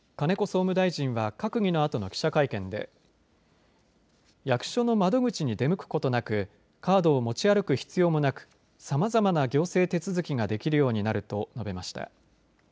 総務大臣は閣議のあとの記者会見で役所の窓口に出向くことなくカードを持ち歩く必要もなくさまざまな行政手続きができるようになると述べました。